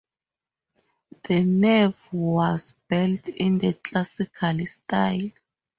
The nave was built in the classical style.